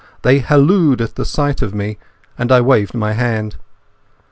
They hallooed at the sight of me, and I waved my hand.